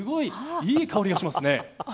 いい香りがしますね。